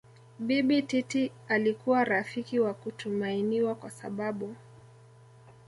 Bibi Titi alikuwa rafiki wa kutumainiwa kwa sababu